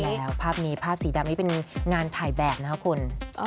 ใช่แล้วภาพนี้ภาพสีดำนี่เป็นงานถ่ายแบบนะครับคุณ